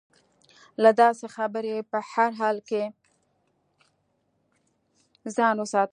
له داسې خبرې په هر حال کې ځان وساتي.